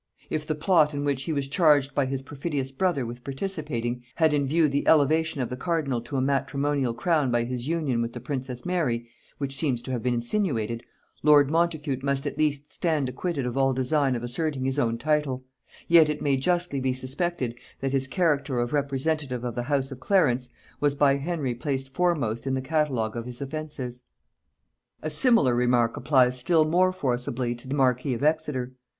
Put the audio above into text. If the plot in which he was charged by his perfidious brother with participating, had in view the elevation of the cardinal to a matrimonial crown by his union with the princess Mary, which seems to have been insinuated, lord Montacute must at least stand acquitted of all design of asserting his own title; yet it may justly be suspected that his character of representative of the house of Clarence, was by Henry placed foremost in the catalogue of his offences. A similar remark applies still more forcibly to the marquis of Exeter.